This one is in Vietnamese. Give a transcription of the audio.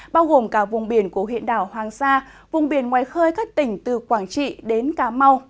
bao gồm cả vùng biển của huyện đảo hoàng sa vùng biển ngoài khơi các tỉnh từ quảng trị đến cà mau